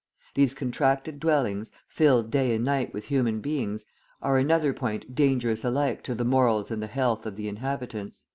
These contracted dwellings, filled day and night with human beings, are another point dangerous alike to the morals and the health of the inhabitants."